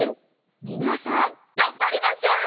みなさんがんばりましょう。